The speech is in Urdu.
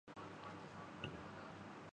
نیت اب میری بھری رہتی ہے